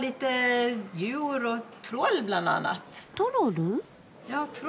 トロル？